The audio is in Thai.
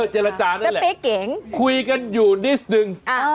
เจรจานั่นแหละคุยกันอยู่นิดนึง